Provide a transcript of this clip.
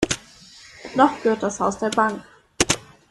Noch gehört das Haus der Bank.